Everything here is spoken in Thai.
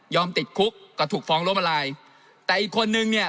ยอมติดคุกก็ถูกฟองร่วมลายแต่อีกคนหนึ่งเนี่ย